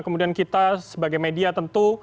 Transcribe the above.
kemudian kita sebagai media tentu